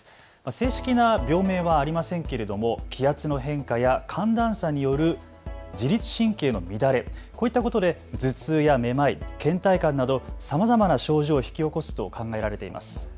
正式な病名はありませんけれども気圧の変化や寒暖差による自律神経の乱れ、こういったことで頭痛やめまい、倦怠感などさまざまな症状を引き起こすと考えられています。